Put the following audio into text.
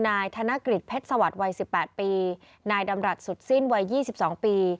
นายธนกฤษเพชรสวรรค์วัยสิบแปดปีนายดำรัสสุดสิ้นวัยยี่สิบสองปี